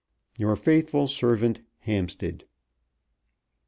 Your faithful servant, HAMPSTEAD.